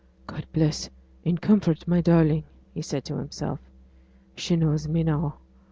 'God bless and comfort my darling,' he said to himself. 'She knows me now.